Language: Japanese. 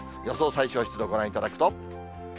最小湿度ご覧いただくと。